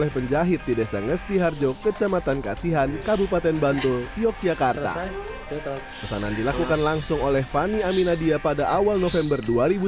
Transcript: pesanan dilakukan langsung oleh fani aminadia pada awal november dua ribu sembilan belas